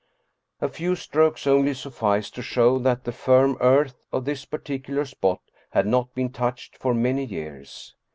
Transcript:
A few strokes only sufficed to show that the firm earth of this particular spot had not been touched for many years.